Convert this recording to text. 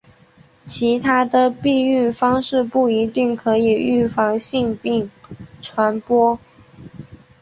其他的避孕方式不一定可以预防性病传播。